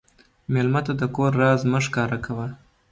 مېلمه ته د کور راز مه ښکاره کوه.